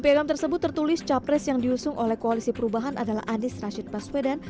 piagam tersebut tertulis capres yang diusung oleh koalisi perubahan adalah anies rashid baswedan